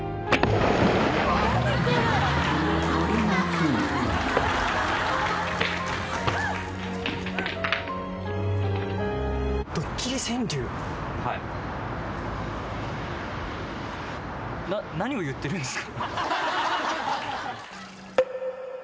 はい。